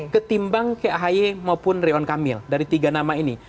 ketimbang kayak ahy maupun rion kamil dari tiga nama ini